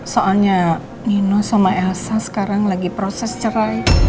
soalnya nino sama elsa sekarang lagi proses cerai